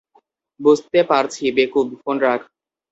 বুঝতে পারছি, বেকুব, ফোন রাখ।